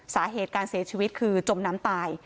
สาเหตุการเสียชีวิตคือจมน้ำตาย